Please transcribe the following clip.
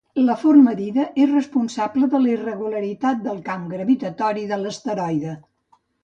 La forma d'Ida és responsable de la irregularitat del camp gravitatori de l'asteroide.